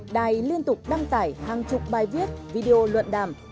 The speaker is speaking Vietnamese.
đài liên tục đăng tải hàng chục bài viết video luận đàm